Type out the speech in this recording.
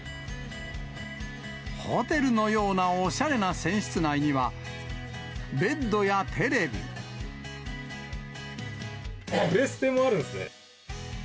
ホテルのようなおしゃれな船プレステもあるんですね。